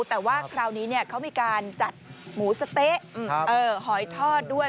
แต่ว่าคราวนี้เขามีการจัดหมูสะเต๊ะหอยทอดด้วย